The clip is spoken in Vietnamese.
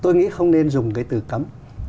tôi nghĩ không nên dùng cái từ cấm